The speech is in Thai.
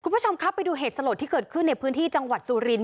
คุณผู้ชมครับไปดูเหตุสลดที่เกิดขึ้นในพื้นที่จังหวัดสุรินท